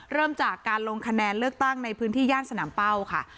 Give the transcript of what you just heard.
เริ่มจากการลงคะแนนเลือกตั้งในพื้นที่ย่านสนามเป้าค่ะ